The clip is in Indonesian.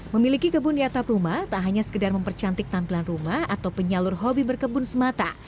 memiliki kebun di atap rumah tak hanya sekedar mempercantik tampilan rumah atau penyalur hobi berkebun semata